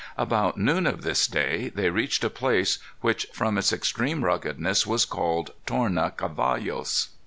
About noon of this day they reached a place which from its extreme ruggedness was called Torna Cavallos.